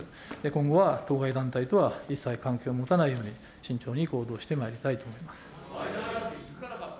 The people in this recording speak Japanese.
今後は当該団体とは一切関係を持たないように、慎重に行動してまいりたいと思います。